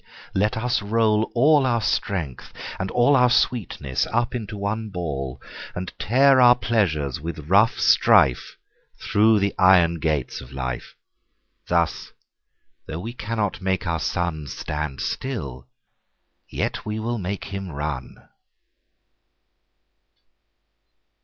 Let us roll all our Strength, and allOur sweetness, up into one Ball:And tear our Pleasures with rough strife, Thorough the Iron gates of Life.Thus, though we cannot make our SunStand still, yet we will make him run.